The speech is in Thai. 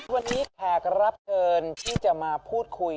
วันนี้แขกรับเชิญที่จะมาพูดคุย